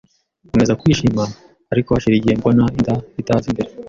nkomeza kwishima ariko hashira igihe mbona inda itaza imbere